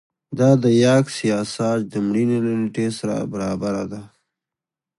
دا د یاکس یاساج د مړینې له نېټې سره برابره ده